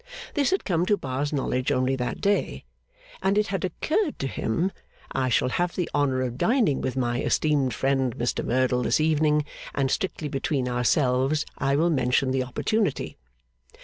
This had come to Bar's knowledge only that day, and it had occurred to him, 'I shall have the honour of dining with my esteemed friend Mr Merdle this evening, and, strictly between ourselves, I will mention the opportunity.